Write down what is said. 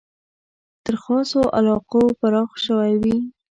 تر خاصو علاقو پراخ شوی وي.